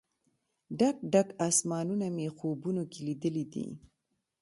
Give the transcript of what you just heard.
ډک، ډک اسمانونه مې خوبونو کې لیدلې دي